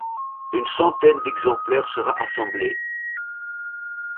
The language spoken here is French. Une centaine d’exemplaires sera assemblée.